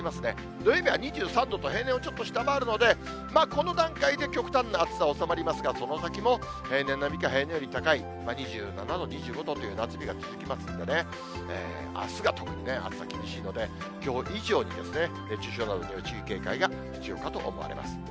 土曜日は２３度と、平年をちょっと下回るので、この段階で極端な暑さは収まりますが、その先も平年並みか平年より高い２７度、２５度という夏日が続きますんでね、あすが特に暑さ厳しいので、きょう以上に熱中症などに注意警戒が必要かと思われます。